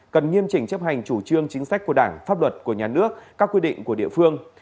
cần nghiêm chỉnh chấp hành chủ trương chính sách của đảng pháp luật của nhà nước các quy định của địa phương